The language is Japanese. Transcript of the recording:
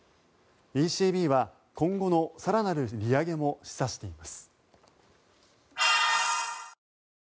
ＥＣＢは今後の更なる利上げも示唆しています。